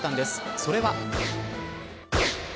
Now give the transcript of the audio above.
それは。